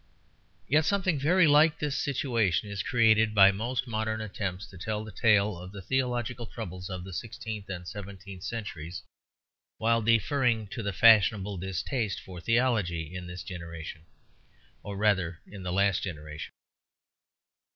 Yet something very like this situation is created by most modern attempts to tell the tale of the theological troubles of the sixteenth and seventeenth centuries, while deferring to the fashionable distaste for theology in this generation or rather in the last generation.